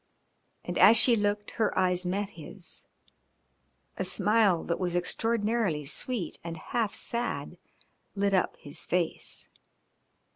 And as she looked her eyes met his. A smile that was extraordinarily sweet and half sad lit up his face.